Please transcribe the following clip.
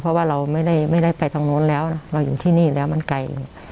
เพราะว่าเราไม่ได้ไปตรงนู้นแล้วนะเราอยู่ที่นี่แล้วมันไกล